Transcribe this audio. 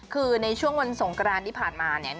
คือในช่วงวันสงกรานที่ผ่านมาเนี่ย